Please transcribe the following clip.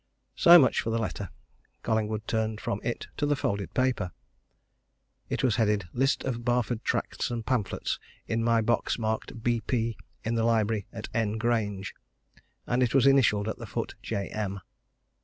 So much for the letter Collingwood turned from it to the folded paper. It was headed "List of Barford Tracts and Pamphlets in my box marked B.P. in the library at N Grange," and it was initialled at the foot J.M.